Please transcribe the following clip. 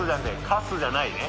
「かす」じゃないね？